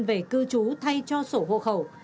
về cư trú thay cho sổ hộ khẩu